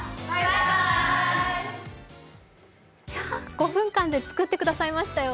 ５分間で作ってくださいましたよ。